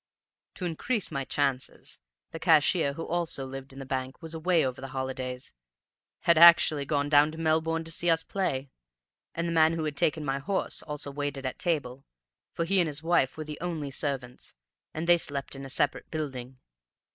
"To increase my chances, the cashier, who also lived in the bank, was away over the holidays, had actually gone down to Melbourne to see us play; and the man who had taken my horse also waited at table; for he and his wife were the only servants, and they slept in a separate building.